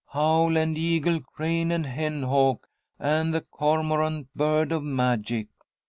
"Owl and Eagle, Crane and Hen hawk, And the Cormorant, bird of magic.